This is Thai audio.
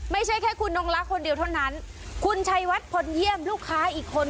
ไม่ใช่แค่คุณนงลักษณ์คนเดียวเท่านั้นคุณชัยวัดพลเยี่ยมลูกค้าอีกคน